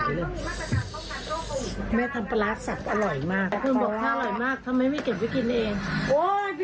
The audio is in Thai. โอเคจบโอเคจบ